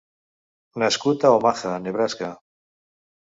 Nascut a Omaha, Nebraska.